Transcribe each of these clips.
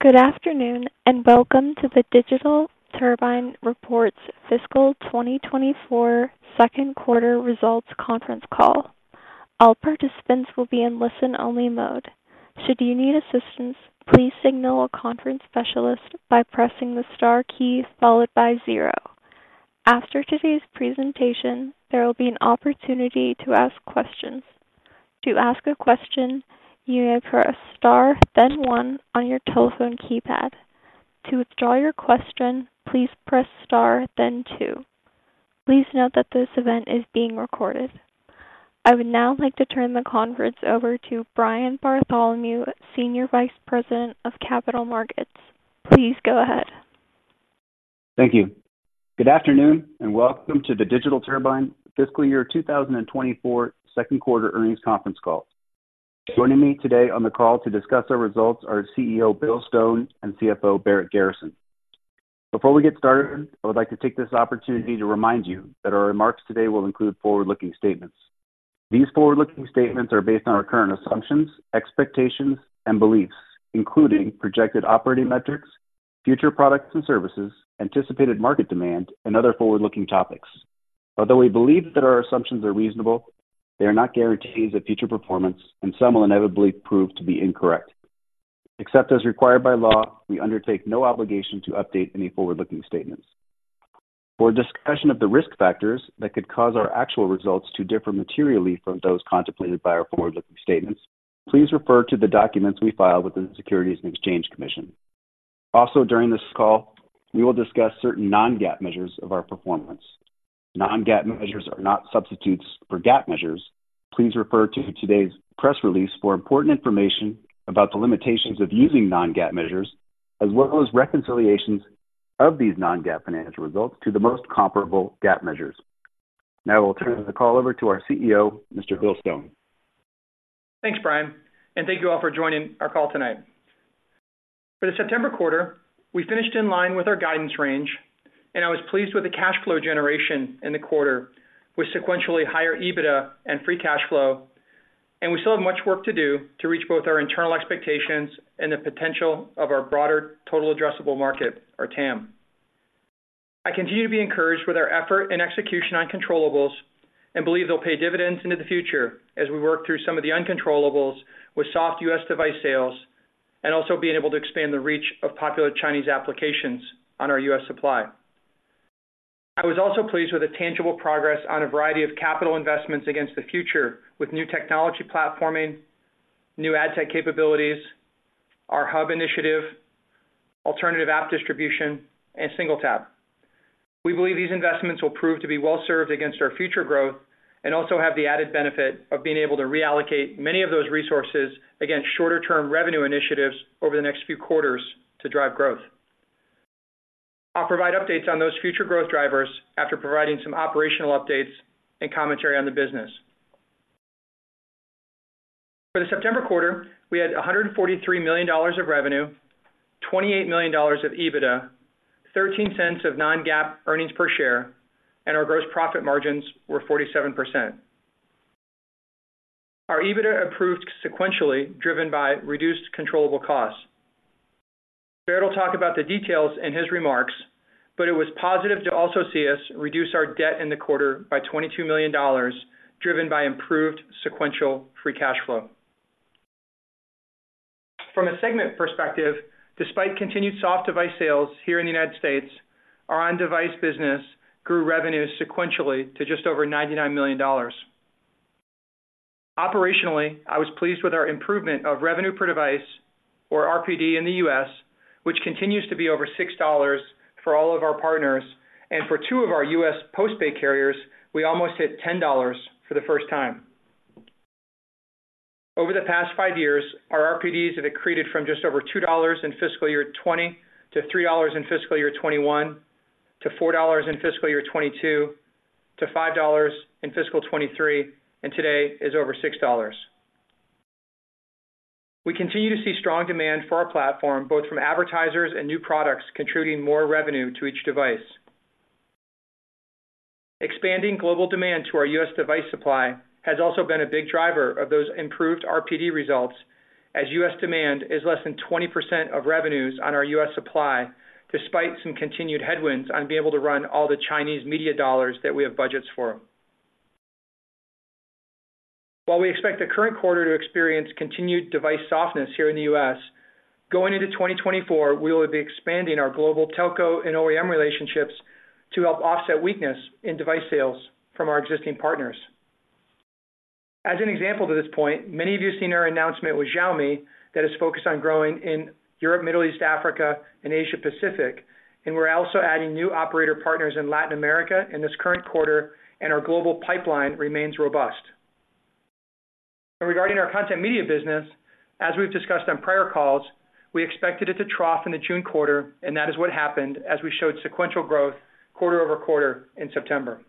Good afternoon, and welcome to the Digital Turbine Report's Fiscal 2024 Second Quarter Results Conference Call. All participants will be in listen-only mode. Should you need assistance, please signal a conference specialist by pressing the star key followed by zero. After today's presentation, there will be an opportunity to ask questions. To ask a question, you may press Star, then One on your telephone keypad. To withdraw your question, please press Star, then Two. Please note that this event is being recorded. I would now like to turn the conference over to Brian Bartholomew, Senior Vice President of Capital Markets. Please go ahead. Thank you. Good afternoon, and welcome to the Digital Turbine Fiscal Year 2024 Second Quarter Earnings Conference Call. Joining me today on the call to discuss our results are CEO, Bill Stone, and CFO, Barrett Garrison. Before we get started, I would like to take this opportunity to remind you that our remarks today will include forward-looking statements. These forward-looking statements are based on our current assumptions, expectations, and beliefs, including projected operating metrics, future products and services, anticipated market demand, and other forward-looking topics. Although we believe that our assumptions are reasonable, they are not guarantees of future performance, and some will inevitably prove to be incorrect. Except as required by law, we undertake no obligation to update any forward-looking statements. For a discussion of the risk factors that could cause our actual results to differ materially from those contemplated by our forward-looking statements, please refer to the documents we filed with the Securities and Exchange Commission. Also, during this call, we will discuss certain non-GAAP measures of our performance. Non-GAAP measures are not substitutes for GAAP measures. Please refer to today's press release for important information about the limitations of using non-GAAP measures, as well as reconciliations of these non-GAAP financial results to the most comparable GAAP measures. Now I will turn the call over to our CEO, Mr. Bill Stone. Thanks, Brian, and thank you all for joining our call tonight. For the September quarter, we finished in line with our guidance range, and I was pleased with the cash flow generation in the quarter, with sequentially higher EBITDA and free cash flow, and we still have much work to do to reach both our internal expectations and the potential of our broader total addressable market, or TAM. I continue to be encouraged with our effort and execution on controllables and believe they'll pay dividends into the future as we work through some of the uncontrollables with soft U.S. device sales and also being able to expand the reach of popular Chinese applications on our U.S. supply. I was also pleased with the tangible progress on a variety of capital investments against the future, with new technology platforming, new ad tech capabilities, our Hub initiative, alternative app distribution, and SingleTap. We believe these investments will prove to be well-served against our future growth and also have the added benefit of being able to reallocate many of those resources against shorter-term revenue initiatives over the next few quarters to drive growth. I'll provide updates on those future growth drivers after providing some operational updates and commentary on the business. For the September quarter, we had $143 million of revenue, $28 million of EBITDA, $0.13 of non-GAAP earnings per share, and our gross profit margins were 47%. Our EBITDA improved sequentially, driven by reduced controllable costs. Barrett will talk about the details in his remarks, but it was positive to also see us reduce our debt in the quarter by $22 million, driven by improved sequential free cash flow. From a segment perspective, despite continued soft device sales here in the United States, our on-device business grew revenues sequentially to just over $99 million. Operationally, I was pleased with our improvement of revenue per device, or RPD, in the U.S., which continues to be over $6 for all of our partners. For two of our U.S. postpaid carriers, we almost hit $10 for the first time. Over the past five years, our RPDs have accreted from just over $2 in fiscal year 2020, to $3 in fiscal year 2021, to $4 in fiscal year 2022, to $5 in fiscal year 2023, and today is over $6. We continue to see strong demand for our platform, both from advertisers and new products, contributing more revenue to each device. Expanding global demand to our U.S. device supply has also been a big driver of those improved RPD results, as U.S. demand is less than 20% of revenues on our U.S. supply, despite some continued headwinds on being able to run all the Chinese media dollars that we have budgets for. While we expect the current quarter to experience continued device softness here in the U.S., going into 2024, we will be expanding our global telco and OEM relationships to help offset weakness in device sales from our existing partners. As an example to this point, many of you have seen our announcement with Xiaomi that is focused on growing in Europe, Middle East, Africa, and Asia Pacific, and we're also adding new operator partners in Latin America in this current quarter, and our global pipeline remains robust. Regarding our content media business, as we've discussed on prior calls, we expected it to trough in the June quarter, and that is what happened as we showed sequential growth quarter-over-quarter in September.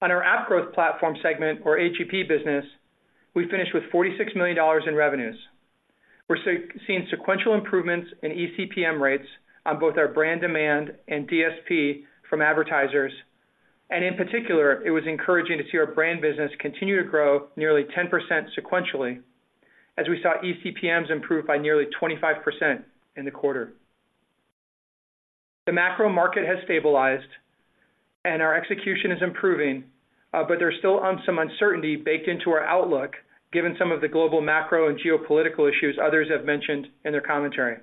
On our App Growth Platform segment, or AGP business, we finished with $46 million in revenues. We're seeing sequential improvements in eCPM rates on both our brand demand and DSP from advertisers. And in particular, it was encouraging to see our brand business continue to grow nearly 10% sequentially, as we saw eCPMs improve by nearly 25% in the quarter. The macro market has stabilized and our execution is improving, but there's still some uncertainty baked into our outlook, given some of the global macro and geopolitical issues others have mentioned in their commentary.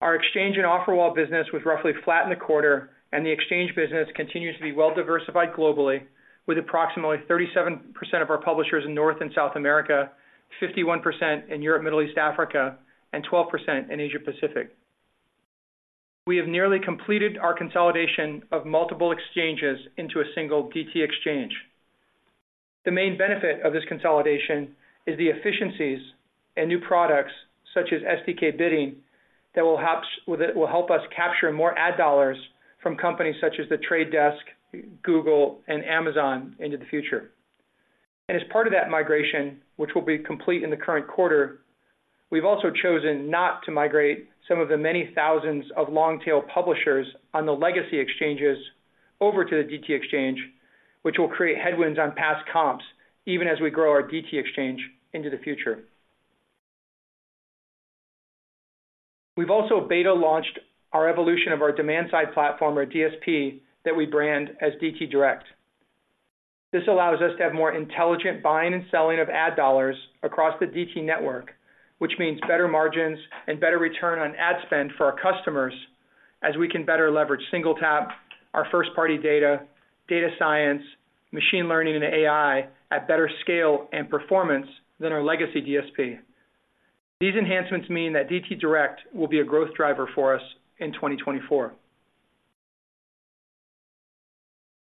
Our exchange and offer wall business was roughly flat in the quarter, and the exchange business continues to be well diversified globally, with approximately 37% of our publishers in North and South America, 51% in Europe, Middle East, Africa, and 12% in Asia Pacific. We have nearly completed our consolidation of multiple exchanges into a single DT Exchange. The main benefit of this consolidation is the efficiencies and new products, such as SDK Bidding, that will help us capture more ad dollars from companies such as The Trade Desk, Google, and Amazon into the future. As part of that migration, which will be complete in the current quarter, we've also chosen not to migrate some of the many thousands of long-tail publishers on the legacy exchanges over to the DT Exchange, which will create headwinds on past comps, even as we grow our DT Exchange into the future. We've also beta launched our evolution of our demand-side platform, or DSP, that we brand as DT Direct. This allows us to have more intelligent buying and selling of ad dollars across the DT network, which means better margins and better return on ad spend for our customers, as we can better leverage SingleTap, our first-party data, data science, machine learning and AI at better scale and performance than our legacy DSP. These enhancements mean that DT Direct will be a growth driver for us in 2024.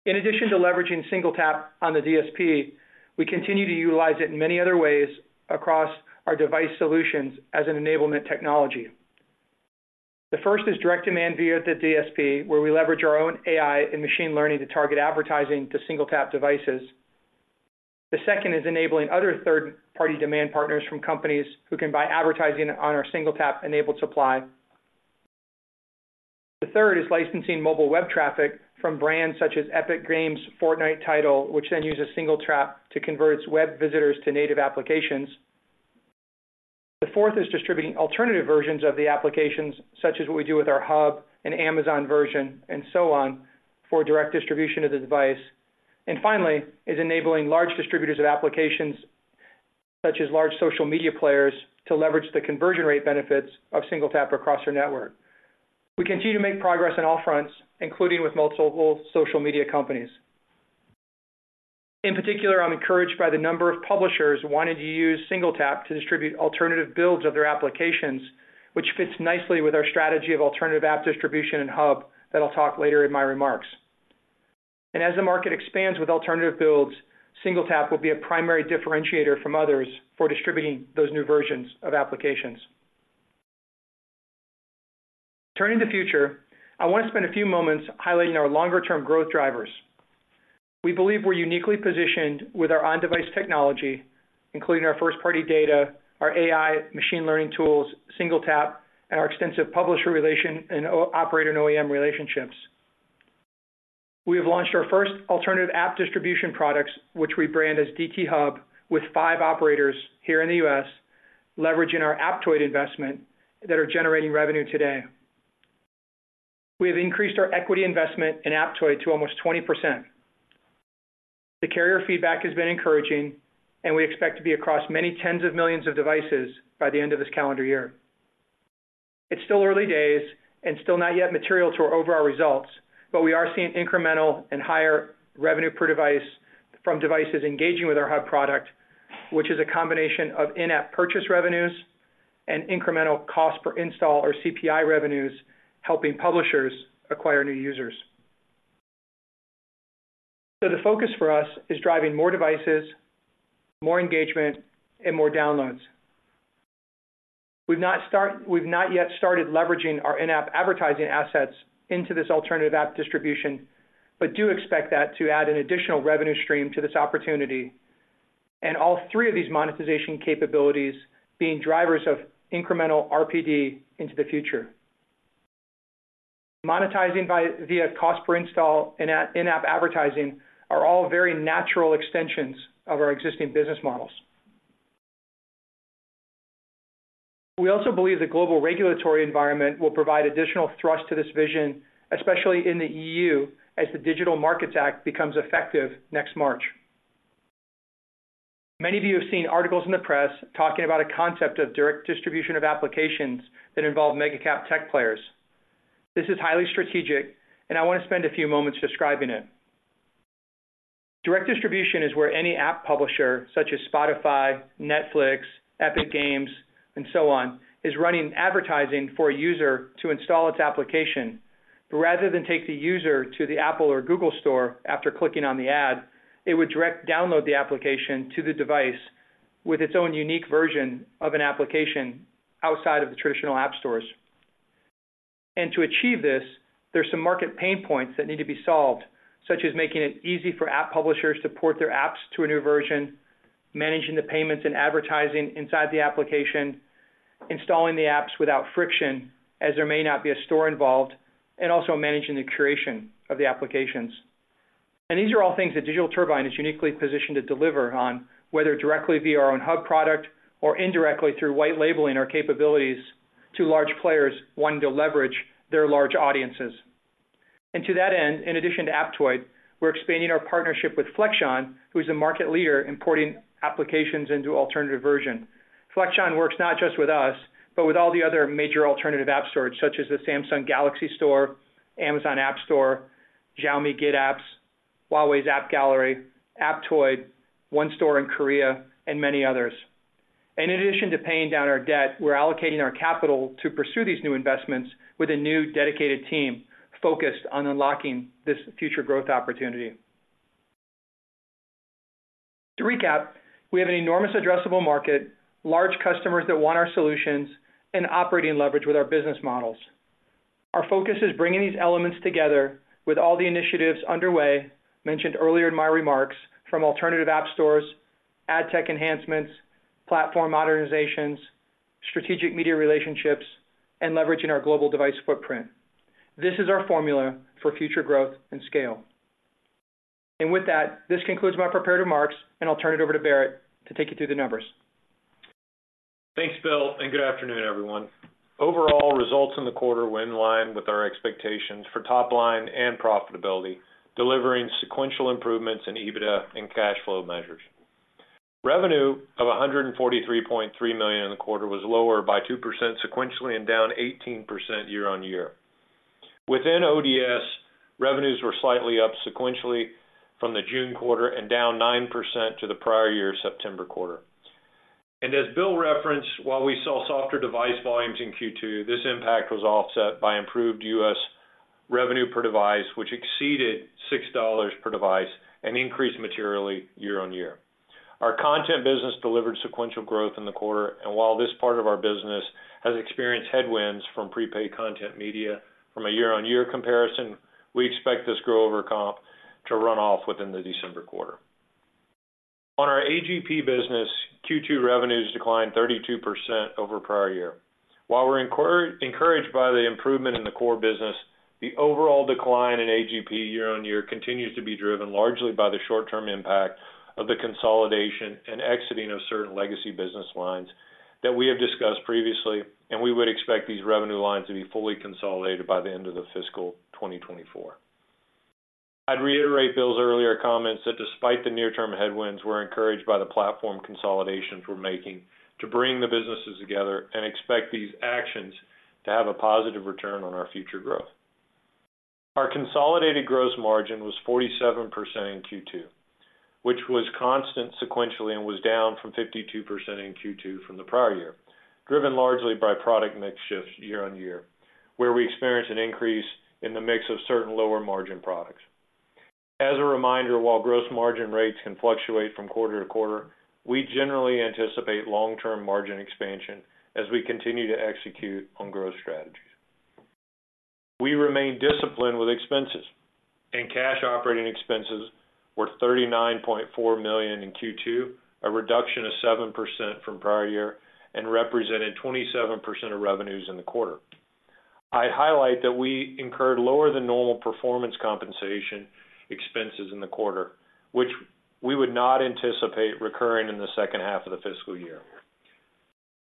In addition to leveraging SingleTap on the DSP, we continue to utilize it in many other ways across our device solutions as an enablement technology. The first is direct demand via the DSP, where we leverage our own AI and machine learning to target advertising to SingleTap devices. The second is enabling other third-party demand partners from companies who can buy advertising on our SingleTap-enabled supply. The third is licensing mobile web traffic from brands such as Epic Games' Fortnite title, which then uses SingleTap to convert its web visitors to native applications. The fourth is distributing alternative versions of the applications, such as what we do with our Hub and Amazon version, and so on, for direct distribution of the device. And finally, is enabling large distributors of applications, such as large social media players, to leverage the conversion rate benefits of SingleTap across their network. We continue to make progress on all fronts, including with multiple social media companies. In particular, I'm encouraged by the number of publishers wanting to use SingleTap to distribute alternative builds of their applications, which fits nicely with our strategy of alternative app distribution and Hub that I'll talk later in my remarks. And as the market expands with alternative builds, SingleTap will be a primary differentiator from others for distributing those new versions of applications. Turning to the future, I want to spend a few moments highlighting our longer-term growth drivers. We believe we're uniquely positioned with our on-device technology, including our first-party data, our AI, machine learning tools, SingleTap, and our extensive publisher relation and operator and OEM relationships. We have launched our first alternative app distribution products, which we brand as DT Hub, with five operators here in the U.S., leveraging our Aptoide investment, that are generating revenue today. We have increased our equity investment in Aptoide to almost 20%. The carrier feedback has been encouraging, and we expect to be across many tens of millions of devices by the end of this calendar year. It's still early days and still not yet material to our overall results, but we are seeing incremental and higher revenue per device from devices engaging with our Hub product, which is a combination of in-app purchase revenues and incremental cost per install, or CPI revenues, helping publishers acquire new users. So the focus for us is driving more devices, more engagement, and more downloads. We've not yet started leveraging our in-app advertising assets into this alternative app distribution, but do expect that to add an additional revenue stream to this opportunity, and all three of these monetization capabilities being drivers of incremental RPD into the future. Monetizing via cost per install and at in-app advertising are all very natural extensions of our existing business models. We also believe the global regulatory environment will provide additional thrust to this vision, especially in the EU, as the Digital Markets Act becomes effective next March. Many of you have seen articles in the press talking about a concept of direct distribution of applications that involve mega cap tech players. This is highly strategic, and I want to spend a few moments describing it. Direct distribution is where any app publisher, such as Spotify, Netflix, Epic Games, and so on, is running advertising for a user to install its application. But rather than take the user to the Apple or Google Store after clicking on the ad, it would direct download the application to the device with its own unique version of an application outside of the traditional app stores. And to achieve this, there are some market pain points that need to be solved, such as making it easy for app publishers to port their apps to a new version, managing the payments and advertising inside the application, installing the apps without friction, as there may not be a store involved, and also managing the curation of the applications. And these are all things that Digital Turbine is uniquely positioned to deliver on, whether directly via our own Hub product or indirectly through white labeling our capabilities to large players wanting to leverage their large audiences. And to that end, in addition to Aptoide, we're expanding our partnership with Flexion, who is a market leader in porting applications into alternative version. Flexion works not just with us, but with all the other major alternative app stores, such as the Samsung Galaxy Store, Amazon Appstore, Xiaomi GetApps, Huawei's AppGallery, Aptoide, One Store in Korea, and many others. In addition to paying down our debt, we're allocating our capital to pursue these new investments with a new dedicated team focused on unlocking this future growth opportunity. To recap, we have an enormous addressable market, large customers that want our solutions, and operating leverage with our business models. Our focus is bringing these elements together with all the initiatives underway, mentioned earlier in my remarks, from alternative app stores, ad tech enhancements, platform modernizations, strategic media relationships, and leveraging our global device footprint. This is our formula for future growth and scale. And with that, this concludes my prepared remarks, and I'll turn it over to Barrett to take you through the numbers. Thanks, Bill, and good afternoon, everyone. Overall, results in the quarter were in line with our expectations for top line and profitability, delivering sequential improvements in EBITDA and cash flow measures. Revenue of $143.3 million in the quarter was lower by 2% sequentially and down 18% year-on-year. Within ODS, revenues were slightly up sequentially from the June quarter and down 9% to the prior year September quarter. And as Bill referenced, while we saw softer device volumes in Q2, this impact was offset by improved U.S. revenue per device, which exceeded $6 per device and increased materially year-on-year. Our content business delivered sequential growth in the quarter, and while this part of our business has experienced headwinds from prepaid content media from a year-on-year comparison, we expect this grow over comp to run off within the December quarter. On our AGP business, Q2 revenues declined 32% over prior year. While we're encouraged by the improvement in the core business, the overall decline in AGP year-on-year continues to be driven largely by the short-term impact of the consolidation and exiting of certain legacy business lines that we have discussed previously, and we would expect these revenue lines to be fully consolidated by the end of the fiscal 2024. I'd reiterate Bill's earlier comments that despite the near-term headwinds, we're encouraged by the platform consolidations we're making to bring the businesses together and expect these actions to have a positive return on our future growth. Our consolidated gross margin was 47% in Q2, which was constant sequentially and was down from 52% in Q2 from the prior year, driven largely by product mix shifts year-on-year, where we experienced an increase in the mix of certain lower margin products. As a reminder, while gross margin rates can fluctuate from quarter to quarter, we generally anticipate long-term margin expansion as we continue to execute on growth strategies. We remain disciplined with expenses, and cash operating expenses were $39.4 million in Q2, a reduction of 7% from prior year and represented 27% of revenues in the quarter. I'd highlight that we incurred lower than normal performance compensation expenses in the quarter, which we would not anticipate recurring in the second half of the fiscal year.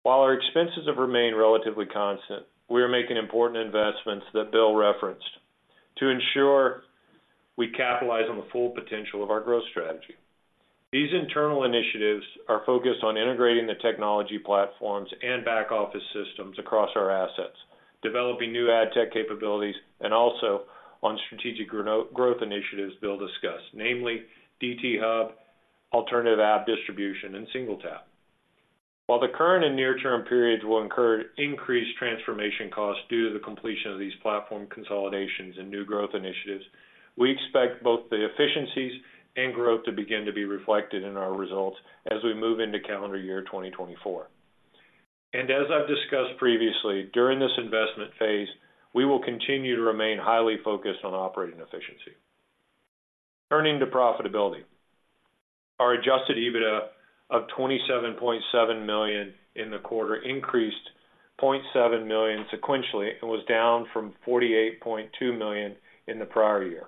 While our expenses have remained relatively constant, we are making important investments that Bill referenced to ensure we capitalize on the full potential of our growth strategy. These internal initiatives are focused on integrating the technology platforms and back-office systems across our assets, developing new ad tech capabilities, and also on strategic growth initiatives Bill discussed, namely DT Hub, alternative app distribution, and SingleTap. While the current and near-term periods will incur increased transformation costs due to the completion of these platform consolidations and new growth initiatives, we expect both the efficiencies and growth to begin to be reflected in our results as we move into calendar year 2024. And as I've discussed previously, during this investment phase, we will continue to remain highly focused on operating efficiency. Turning to profitability. Our adjusted EBITDA of $27.7 million in the quarter increased $0.7 million sequentially and was down from $48.2 million in the prior year.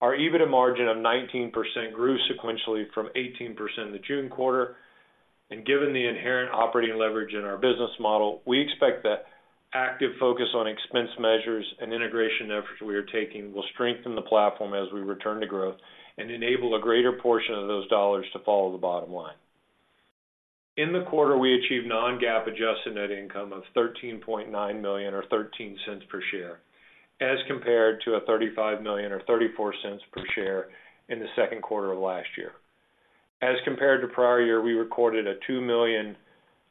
Our EBITDA margin of 19% grew sequentially from 18% in the June quarter, and given the inherent operating leverage in our business model, we expect that active focus on expense measures and integration efforts we are taking will strengthen the platform as we return to growth and enable a greater portion of those dollars to follow the bottom line. In the quarter, we achieved non-GAAP adjusted net income of $13.9 million or $0.13 per share, as compared to $35 million or $0.34 per share in the second quarter of last year. As compared to prior year, we recorded a $2 million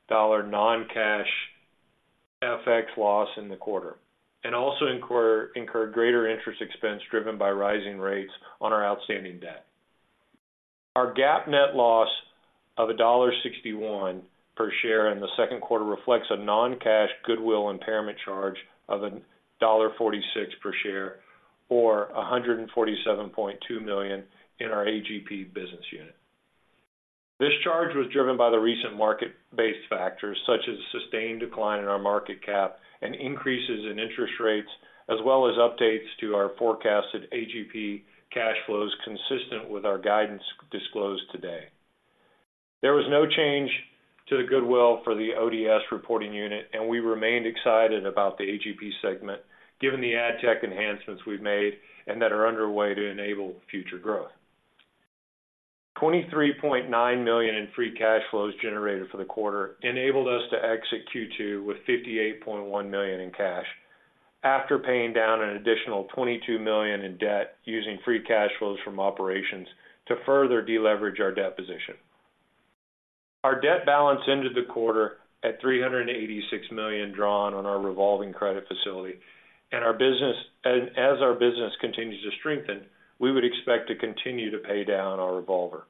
non-cash FX loss in the quarter and also incurred greater interest expense driven by rising rates on our outstanding debt. Our GAAP net loss of $1.61 per share in the second quarter reflects a non-cash goodwill impairment charge of $1.46 per share or $147.2 million in our AGP business unit. This charge was driven by the recent market-based factors, such as sustained decline in our market cap and increases in interest rates, as well as updates to our forecasted AGP cash flows, consistent with our guidance disclosed today. There was no change to the goodwill for the ODS reporting unit, and we remained excited about the AGP segment, given the ad tech enhancements we've made and that are underway to enable future growth. $23.9 million in free cash flows generated for the quarter enabled us to exit Q2 with $58.1 million in cash, after paying down an additional $22 million in debt using free cash flows from operations to further deleverage our debt position. Our debt balance ended the quarter at $386 million, drawn on our revolving credit facility. And as our business continues to strengthen, we would expect to continue to pay down our revolver.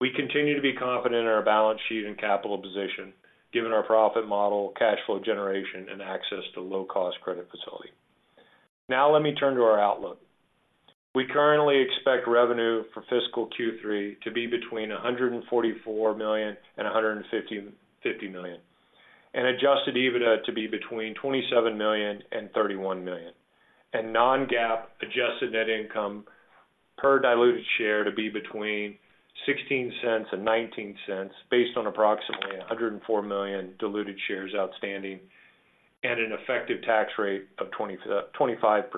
We continue to be confident in our balance sheet and capital position, given our profit model, cash flow generation, and access to low-cost credit facility. Now let me turn to our outlook. We currently expect revenue for fiscal Q3 to be between $144 million and $150 million, and adjusted EBITDA to be between $27 million and $31 million, and non-GAAP adjusted net income per diluted share to be between $0.16 and $0.19, based on approximately 104 million diluted shares outstanding and an effective tax rate of 25%.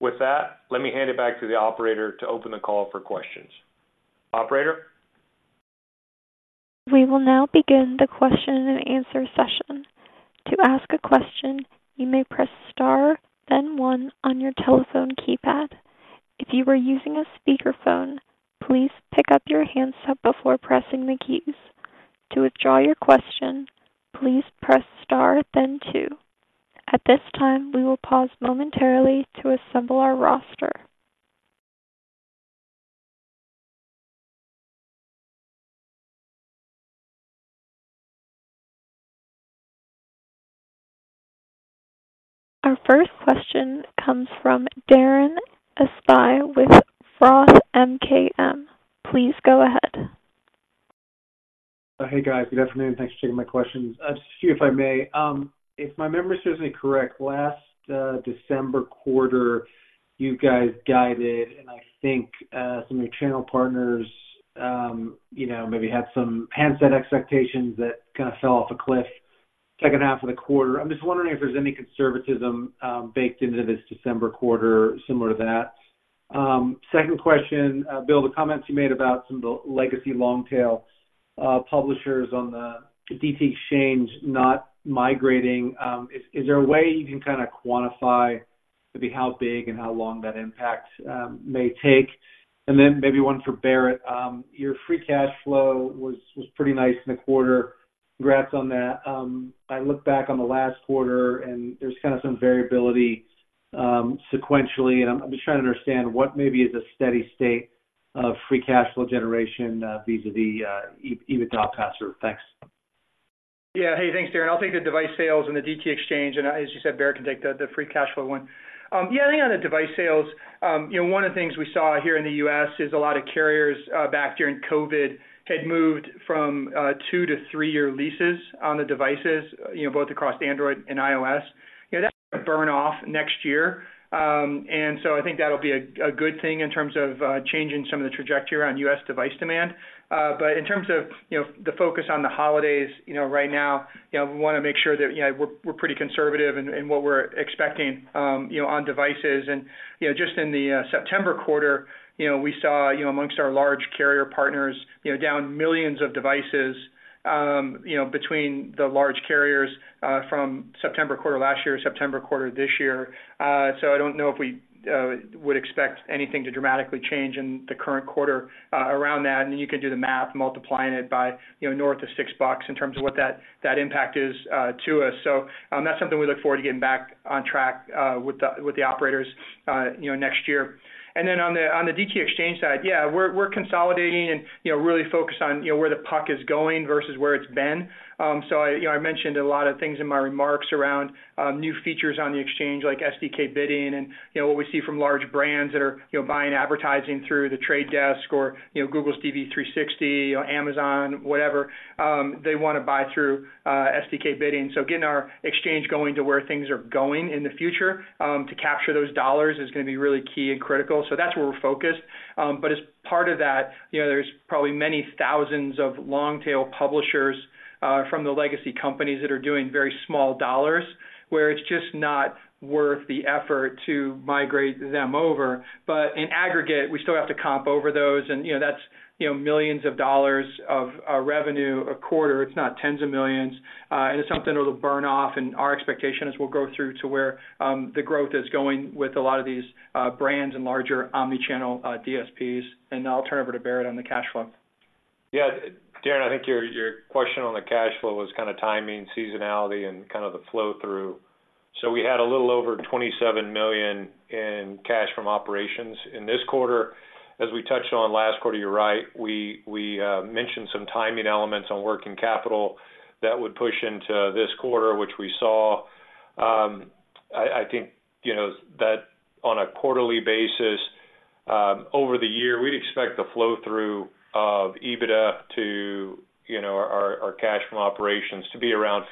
With that, let me hand it back to the operator to open the call for questions. Operator? We will now begin the question-and-answer session. To ask a question, you may press Star, then one on your telephone keypad. If you are using a speakerphone, please pick up your handset before pressing the keys. To withdraw your question, please press Star then two. At this time, we will pause momentarily to assemble our roster. Our first question comes from Darren Aftahi with ROTH MKM. Please go ahead. Hey, guys. Good afternoon. Thanks for taking my questions. Just see if I may, if my memory serves me correct, last December quarter, you guys guided, and I think, some of your channel partners, you know, maybe had some handset expectations that kind of fell off a cliff, second half of the quarter. I'm just wondering if there's any conservatism baked into this December quarter similar to that? Second question, Bill, the comments you made about some of the legacy long-tail publishers on the DT Exchange not migrating, is there a way you can kinda quantify maybe how big and how long that impact may take? And then maybe one for Barrett. Your free cash flow was pretty nice in the quarter. Congrats on that. I look back on the last quarter, and there's kind of some variability, sequentially, and I'm just trying to understand what maybe is a steady state of free cash flow generation, vis-à-vis, EBITDA pass-through. Thanks. Yeah. Hey, thanks, Darren. I'll take the device sales and the DT Exchange, and as you said, Barrett can take the free cash flow one. Yeah, I think on the device sales, you know, one of the things we saw here in the U.S. is a lot of carriers, back during COVID, had moved from 2- to 3-year leases on the devices, you know, both across Android and iOS. You know, that burn-off next year. And so I think that'll be a good thing in terms of changing some of the trajectory around U.S. device demand. But in terms of, you know, the focus on the holidays, you know, right now, you know, we wanna make sure that, you know, we're pretty conservative in what we're expecting, you know, on devices. And, you know, just in the September quarter, you know, we saw, you know, amongst our large carrier partners, you know, down millions of devices, you know, between the large carriers from September quarter last year, September quarter this year. So I don't know if we would expect anything to dramatically change in the current quarter around that. And then you can do the math, multiplying it by, you know, north of $6 in terms of what that impact is to us. So, that's something we look forward to getting back on track with the operators, you know, next year. And then on the DT Exchange side, yeah, we're consolidating and, you know, really focused on, you know, where the puck is going versus where it's been. So I, you know, I mentioned a lot of things in my remarks around new features on the exchange, like SDK Bidding and, you know, what we see from large brands that are, you know, buying advertising through The Trade Desk or, you know, Google's DV360, or Amazon, whatever, they wanna buy through SDK Bidding. So getting our exchange going to where things are going in the future to capture those dollars is gonna be really key and critical. So that's where we're focused. But as part of that, you know, there's probably many thousands of long-tail publishers from the legacy companies that are doing very small dollars, where it's just not worth the effort to migrate them over. But in aggregate, we still have to comp over those, and, you know, that's, you know, $ millions of revenue a quarter. It's not $ tens of millions, and it's something that will burn off, and our expectations will go through to where the growth is going with a lot of these brands and larger omni-channel DSPs. And now I'll turn it over to Barrett on the cash flow. Yeah, Darren, I think your question on the cash flow was kind of timing, seasonality, and kind of the flow-through. So we had a little over $27 million in cash from operations in this quarter. As we touched on last quarter, you're right. We mentioned some timing elements on working capital that would push into this quarter, which we saw. I think, you know, that on a quarterly basis, over the year, we'd expect the flow-through of EBITDA to, you know, our cash from operations to be around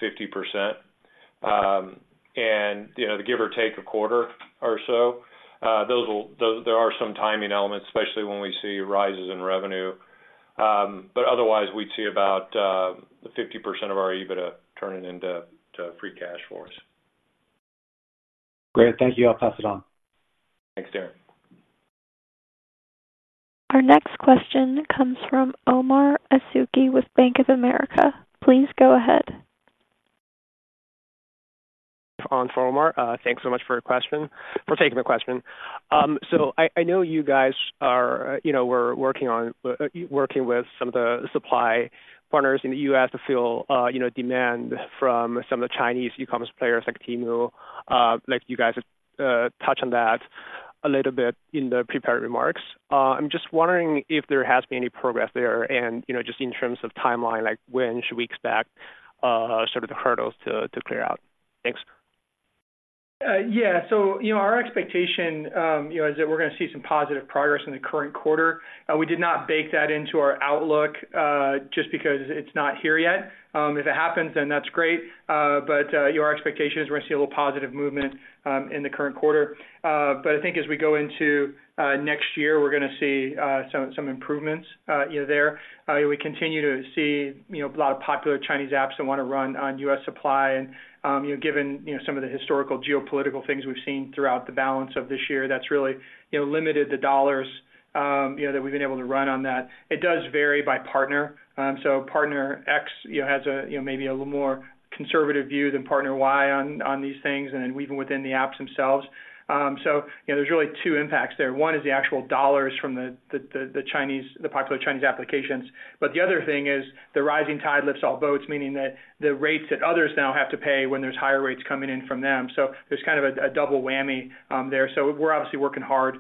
50%. And, you know, to give or take a quarter or so, there are some timing elements, especially when we see rises in revenue. But otherwise, we'd see about the 50% of our EBITDA turning into free cash flow us. Great. Thank you. I'll pass it on. Thanks, Derek. Our next question comes from Omar Dessouky with Bank of America. Please go ahead. On for Omar. Thanks so much for your question, for taking the question. So I, I know you guys are, you know, we're working on, working with some of the supply partners in the U.S. to fill, you know, demand from some of the Chinese e-commerce players like Temu. Like, you guys touched on that a little bit in the prepared remarks. I'm just wondering if there has been any progress there, and, you know, just in terms of timeline, like, when should we expect sort of the hurdles to, to clear out? Thanks. Yeah. So, you know, our expectation, you know, is that we're gonna see some positive progress in the current quarter. We did not bake that into our outlook, just because it's not here yet. If it happens, then that's great. But, our expectation is we're gonna see a little positive movement, in the current quarter. But I think as we go into, next year, we're gonna see, some improvements, there. We continue to see, you know, a lot of popular Chinese apps that wanna run on U.S. supply. You know, given, you know, some of the historical geopolitical things we've seen throughout the balance of this year, that's really, you know, limited the dollars, you know, that we've been able to run on that. It does vary by partner. So partner X, you know, has a you know, maybe a little more conservative view than partner Y on these things, and even within the apps themselves. So, you know, there's really two impacts there. One is the actual dollars from the popular Chinese applications. But the other thing is the rising tide lifts all boats, meaning that the rates that others now have to pay when there's higher rates coming in from them. So there's kind of a double whammy there. So we're obviously working hard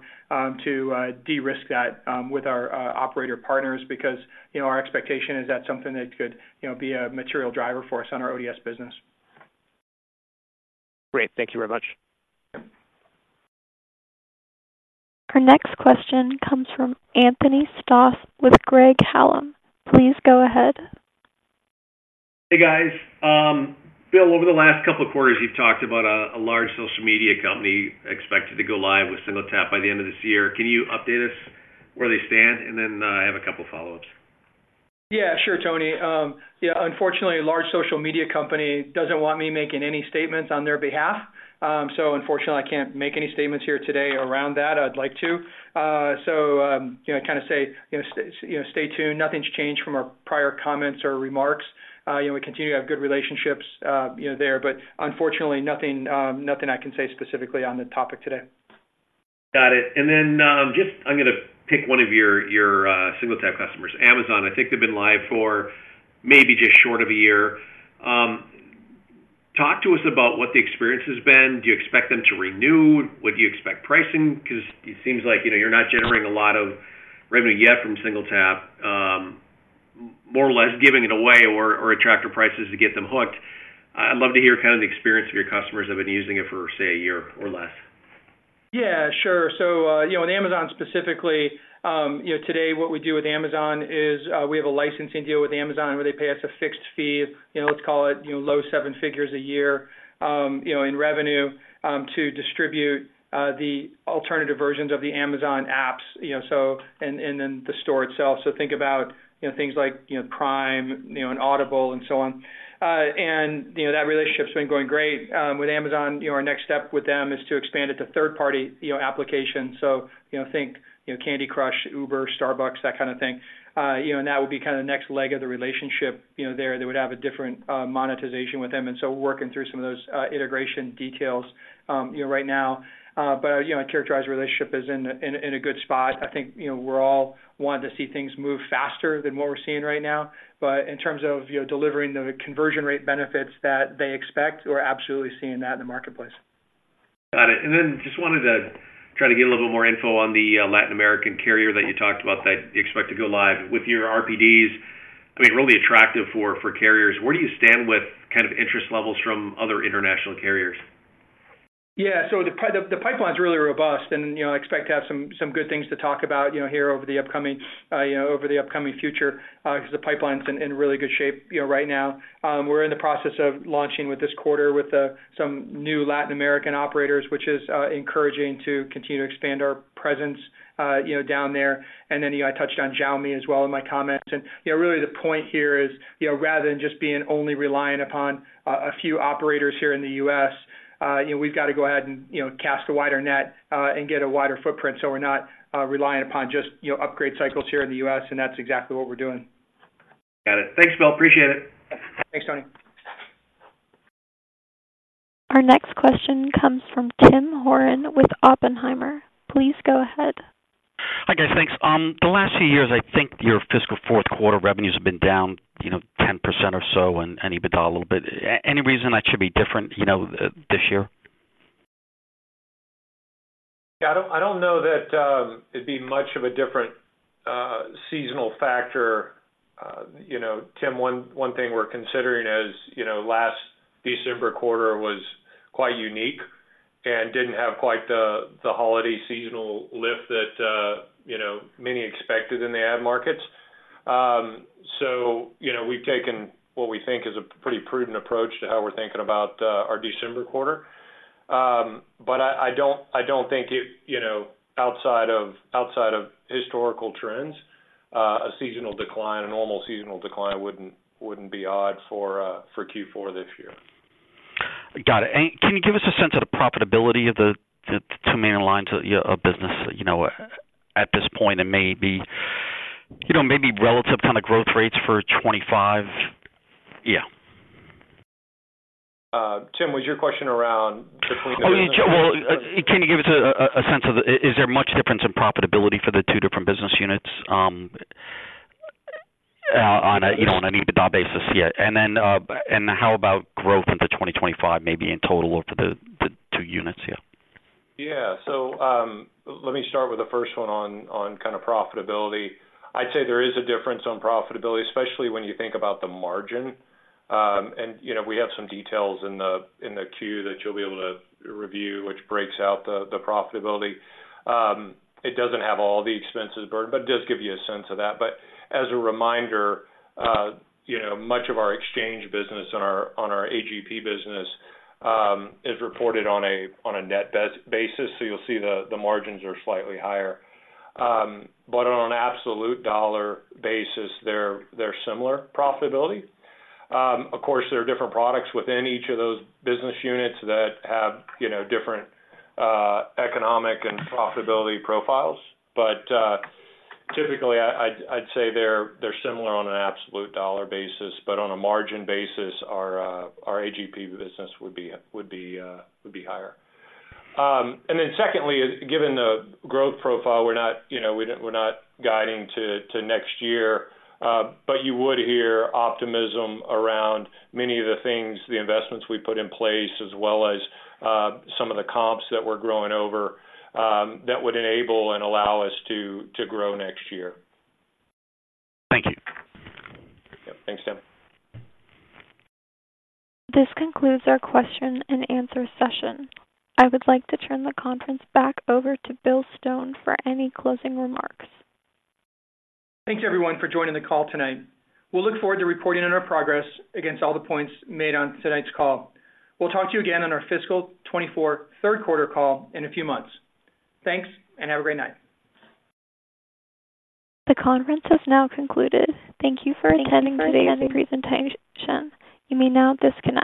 to de-risk that with our operator partners, because, you know, our expectation is that's something that could, you know, be a material driver for us on our ODS business. Great. Thank you very much. Our next question comes from Anthony Stoss with Craig-Hallum. Please go ahead. Hey, guys. Bill, over the last couple of quarters, you've talked about a large social media company expected to go live with SingleTap by the end of this year. Can you update us where they stand? And then, I have a couple follow-ups. Yeah, sure, Tony. Yeah, unfortunately, a large social media company doesn't want me making any statements on their behalf. So unfortunately, I can't make any statements here today around that. I'd like to. So, you know, kind of say, you know, stay tuned. Nothing's changed from our prior comments or remarks. You know, we continue to have good relationships, you know, there, but unfortunately, nothing, nothing I can say specifically on the topic today. Got it. And then, just I'm gonna pick one of your, your, SingleTap customers, Amazon. I think they've been live for maybe just short of a year. Talk to us about what the experience has been. Do you expect them to renew? What do you expect pricing? Because it seems like, you know, you're not generating a lot of revenue yet from SingleTap, more or less giving it away or, or attractor prices to get them hooked. I'd love to hear kind of the experience of your customers have been using it for, say, a year or less. Yeah, sure. So, you know, in Amazon specifically, you know, today what we do with Amazon is, we have a licensing deal with Amazon, where they pay us a fixed fee, you know, let's call it, you know, $ low seven figures a year, you know, in revenue, to distribute the alternative versions of the Amazon apps, you know, so, and, and then the store itself. So think about, you know, things like, you know, Prime, you know, and Audible and so on. And, you know, that relationship's been going great. With Amazon, you know, our next step with them is to expand it to third-party, you know, applications. So, you know, think, you know, Candy Crush, Uber, Starbucks, that kind of thing. You know, and that would be kind of the next leg of the relationship, you know, there. They would have a different monetization with them, and so we're working through some of those integration details, you know, right now. But you know, I characterize the relationship as in a good spot. I think, you know, we're all wanting to see things move faster than what we're seeing right now. But in terms of, you know, delivering the conversion rate benefits that they expect, we're absolutely seeing that in the marketplace. Got it. And then just wanted to try to get a little more info on the Latin American carrier that you talked about, that you expect to go live with your RPDs. I mean, really attractive for carriers. Where do you stand with kind of interest levels from other international carriers? Yeah, so the pipeline's really robust, and, you know, I expect to have some good things to talk about, you know, here over the upcoming, you know, over the upcoming future, because the pipeline's in really good shape, you know, right now. We're in the process of launching with this quarter with some new Latin American operators, which is encouraging to continue to expand our presence, you know, down there. And then, you know, I touched on Xiaomi as well in my comments. You know, really the point here is, you know, rather than just being only reliant upon a few operators here in the U.S., you know, we've got to go ahead and, you know, cast a wider net, and get a wider footprint, so we're not reliant upon just, you know, upgrade cycles here in the U.S., and that's exactly what we're doing. Got it. Thanks, Bill. Appreciate it. Thanks, Tony. Our next question comes from Tim Horan with Oppenheimer. Please go ahead. Hi, guys. Thanks. The last few years, I think your fiscal fourth quarter revenues have been down, you know, 10% or so and EBITDA a little bit. Any reason that should be different, you know, this year?... Yeah, I don't, I don't know that it'd be much of a different seasonal factor. You know, Tim, one thing we're considering is, you know, last December quarter was quite unique and didn't have quite the holiday seasonal lift that, you know, many expected in the ad markets. So, you know, we've taken what we think is a pretty prudent approach to how we're thinking about our December quarter. But I, I don't think it, you know, outside of historical trends, a seasonal decline, a normal seasonal decline wouldn't be odd for Q4 this year. Got it. Can you give us a sense of the profitability of the two main lines of business, you know, at this point, and maybe, you know, maybe relative kind of growth rates for 25? Yeah. Tim, was your question around between the business? Oh, well, can you give us a sense of the... Is there much difference in profitability for the two different business units, on a, you know, on an EBITDA basis? Yeah. And then, and how about growth into 2025, maybe in total or for the two units? Yeah. Yeah. So, let me start with the first one on kind of profitability. I'd say there is a difference on profitability, especially when you think about the margin. And, you know, we have some details in the queue that you'll be able to review, which breaks out the profitability. It doesn't have all the expenses burdened, but it does give you a sense of that. But as a reminder, you know, much of our exchange business on our AGP business is reported on a net basis. So you'll see the margins are slightly higher. But on an absolute dollar basis, they're similar profitability. Of course, there are different products within each of those business units that have, you know, different economic and profitability profiles. But typically, I'd say they're similar on an absolute dollar basis, but on a margin basis, our AGP business would be higher. Then secondly, given the growth profile, we're not, you know, we're not guiding to next year, but you would hear optimism around many of the things, the investments we put in place, as well as some of the comps that we're growing over, that would enable and allow us to grow next year. Thank you. Yep. Thanks, Tim. This concludes our question and answer session. I would like to turn the conference back over to Bill Stone for any closing remarks. Thanks, everyone, for joining the call tonight. We'll look forward to reporting on our progress against all the points made on tonight's call. We'll talk to you again on our fiscal 2024 third quarter call in a few months. Thanks, and have a great night. The conference has now concluded. Thank you for attending today's presentation. You may now disconnect.